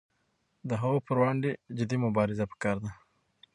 د هغو پر وړاندې جدي مبارزه پکار ده.